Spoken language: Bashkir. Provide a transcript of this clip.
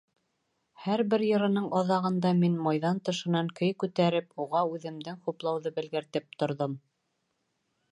Һәр бер йырының аҙағында мин майҙан тышынан көй күтәреп, уға үҙемдең хуплауҙы белгертеп торҙом.